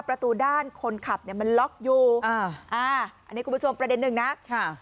ประตูด้านคนขับเนี่ยมันล็อกอยู่อ่าอ่าอันนี้คุณผู้ชมประเด็นหนึ่งนะค่ะ